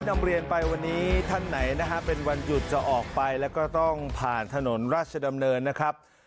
นำเรียนไปวันนี้ท่านไหนนะฮะเป็นวันหยุดจะออกไปแล้วก็ต้องผ่านถนนราชดำเนินนะครับ